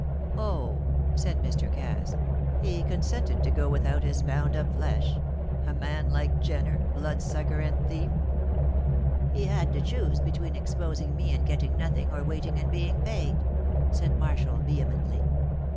"Oh," said Mr. Cass, "he consented to go without his pound of flesh a man like Jenner, bloodsucker and thief!" "He had to choose between exposing me and getting nothing or waiting and being paid," said Marshall, vehemently.